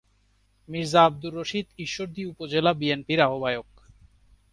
মীর্জা আব্দুর রশিদ ঈশ্বরদী উপজেলা বিএনপির আহ্বায়ক।